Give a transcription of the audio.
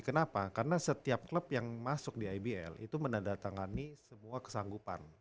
kenapa karena setiap klub yang masuk di ibl itu menandatangani semua kesanggupan